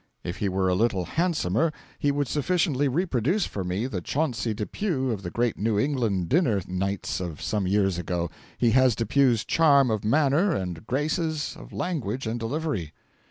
If he were a little handsomer he would sufficiently reproduce for me the Chauncey Depew of the great New England dinner nights of some years ago; he has Depew's charm of manner and graces of language and delivery.